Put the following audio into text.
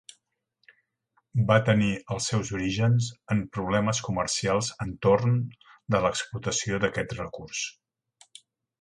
Va tenir els seus orígens en problemes comercials entorn de l'explotació d'aquest recurs.